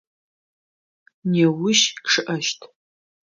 Неущ чъыӏэщт.